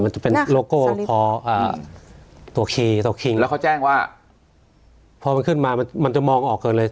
มันจะเป็นอ่าตัวแล้วเขาแจ้งว่าพอมันขึ้นมามันจะมองออกเกินเลย